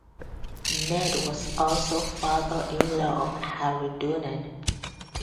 Ned was also father-in-law of Harry Donnan.